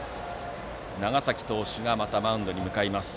長崎投手がマウンドに向かいます。